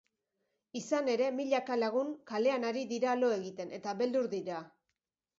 Izan ere, milaka lagun kalean ari dira lo egiten eta beldur dira.